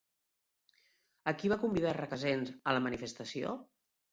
A qui va convidar Recasens a la manifestació?